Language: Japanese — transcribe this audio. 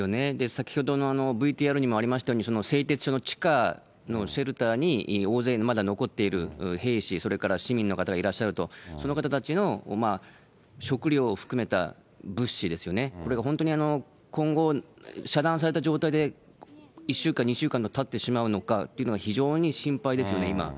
先ほどのＶＴＲにもありましたように、製鉄所の地下のシェルターに大勢のまだ残っている兵士、それから市民の方がいらっしゃると、その方たちの食料を含めた物資ですよね、これが本当に今後、遮断された状態で１週間、２週間がたってしまうのか、非常に心配ですよね、今。